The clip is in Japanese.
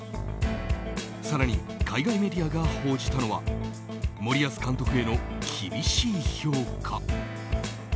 更に、海外メディア報じたのは森保監督への厳しい評価。